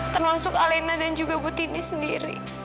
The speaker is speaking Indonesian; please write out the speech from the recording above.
termasuk alena dan juga ibu tini sendiri